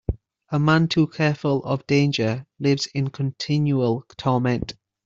A man too careful of danger lives in continual torment.